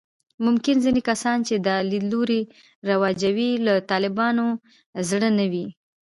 ممکن ځینې کسان چې دا لیدلوري رواجوي، له طالبانو زړه نه وي